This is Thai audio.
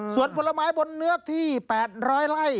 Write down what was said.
ส่วนผลไม้บนเนื้อที่๘๐๐ไร่